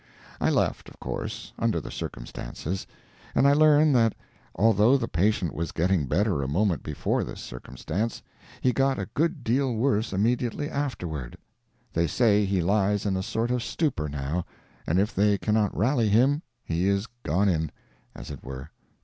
I left, of course, under the circumstances, and I learn that although the patient was getting better a moment before this circumstance, he got a good deal worse immediately afterward. They say he lies in a sort of a stupor now, and if they cannot rally him, he is gone in, as it were.